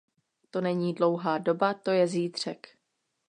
To není dlouhá doba, to je zítřek.